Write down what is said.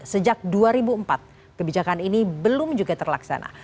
sejak dua ribu empat kebijakan ini belum juga terlaksana